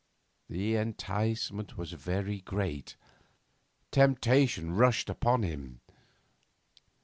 The enticement was very great; temptation rushed upon him.